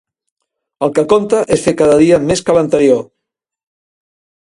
El que compta és fer cada dia més que l'anterior.